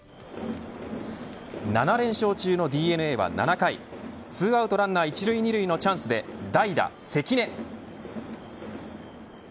７連勝中のＤｅＮＡは７回２アウトランナー１塁２塁のチャンスで代打、関根。